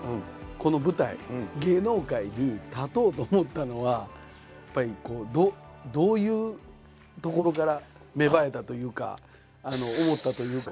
この舞台芸能界に立とうと思ったのはやっぱりこうどういうところから芽生えたというか思ったというか。